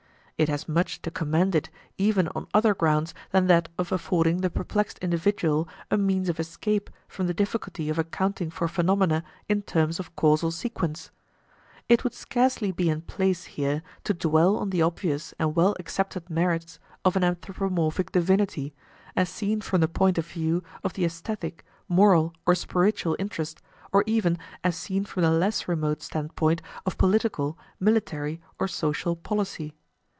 It has much to commend it even on other grounds than that of affording the perplexed individual a means of escape from the difficulty of accounting for phenomena in terms of causal sequence. It would scarcely be in place here to dwell on the obvious and well accepted merits of an anthropomorphic divinity, as seen from the point of view of the aesthetic, moral, or spiritual interest, or even as seen from the less remote standpoint of political, military, or social policy.